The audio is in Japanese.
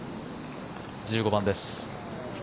１５番です。